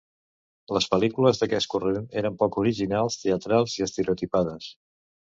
Les pel·lícules d'aquest corrent eren poc originals, teatrals i estereotipades.